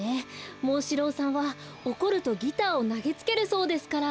モンシローさんはおこるとギターをなげつけるそうですから。